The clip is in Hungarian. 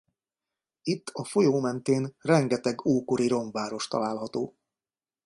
Itt a folyó mentén rengeteg ókori romváros található.